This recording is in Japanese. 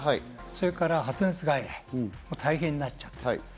それから発熱外来、大変になっちゃう。